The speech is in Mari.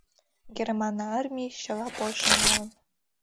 Герман армий чыла Польшым налын.